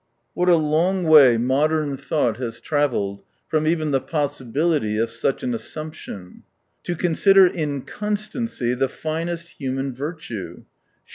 What a long way modern 46 thought has travelled from even the possi bility of such an assumption. To consider inconstancy the finest human virtue